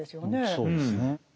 そうですね。